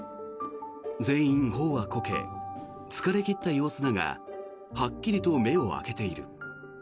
全員、頬はこけ疲れ切った様子だがはっきりと目を開けている。